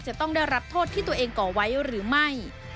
จะต้องได้รับโทษที่ตัวเองก่อไว้หรือไม่